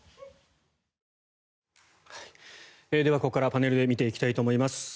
ここからパネルで見ていきたいと思います。